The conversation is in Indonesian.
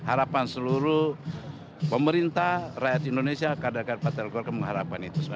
harapan seluruh pemerintah rakyat indonesia kadang kadang patel golkar mengharapkan itu